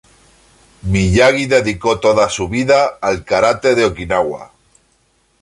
Miyagi dedicó toda su vida al Karate de Okinawa.